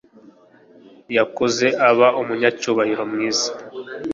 Yakuze aba umunyacyubahiro mwiza.